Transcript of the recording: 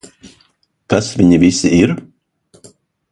Kas viņi visi ir?